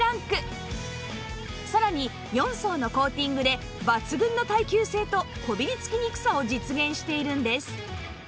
さらに４層のコーティングで抜群の耐久性とこびりつきにくさを実現しているんです